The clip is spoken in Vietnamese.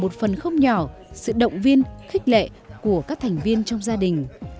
và nhờ một phần không nhỏ sự động viên khích lệ của các thành viên trong gia đình